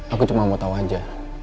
aku cuma mau tahu aja